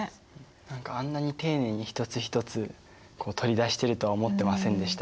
何かあんなに丁寧に一つ一つ取り出してるとは思ってませんでした。